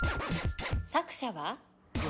作者は？